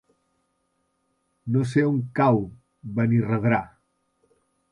No sé on cau Benirredrà.